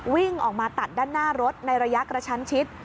วิ่งออกมาตัดด้านหน้ารถในระยะกระชั้นชิด